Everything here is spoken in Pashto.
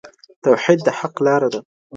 توحيد د حق لاره ده.